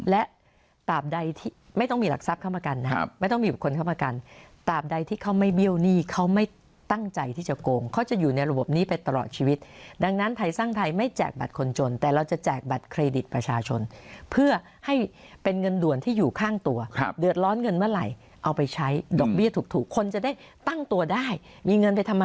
และตามใดที่ไม่ต้องมีหลักทรัพย์เข้าประกันนะครับไม่ต้องมีบุคคลเข้าประกันตามใดที่เขาไม่เบี้ยวหนี้เขาไม่ตั้งใจที่จะโกงเขาจะอยู่ในระบบนี้ไปตลอดชีวิตดังนั้นไทยสร้างไทยไม่แจกบัตรคนจนแต่เราจะแจกบัตรเครดิตประชาชนเพื่อให้เป็นเงินด่วนที่อยู่ข้างตัวเดือดร้อนเงินเมื่อไหร่เอาไปใช้ดอกเบี้ยถูกคนจะได้ตั้งตัวได้มีเงินไปทำ